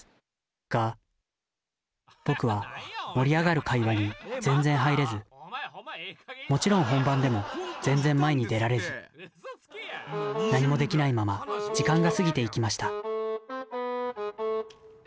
が僕は盛り上がる会話に全然入れずもちろん本番でも全然前に出られず何もできないまま時間が過ぎていきました